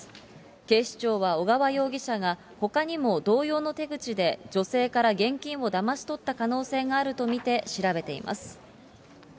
警視庁は小川容疑者がほかにも同様の手口で女性から現金をだまし取った可能性があると見て調べています。